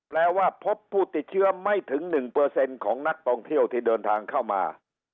แปลว่าพบผู้ติดเชื้อไม่ถึง๑ของนักท่องเที่ยวที่เดินทางเข้ามา